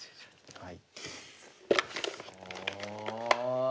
はい。